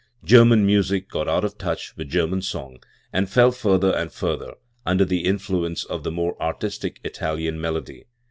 German music got out of touch with German song, and fell further and further under the influence of the more '"artistic" Italian melody.